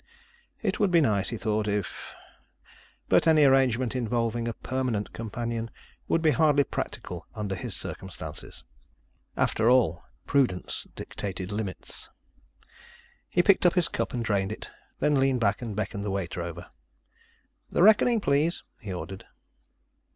It would be nice, he thought, if But any arrangement involving a permanent companion would be hardly practical under his circumstances. After all, prudence dictated limits. He picked up his cup and drained it, then leaned back and beckoned the waiter over. "The reckoning, please," he ordered.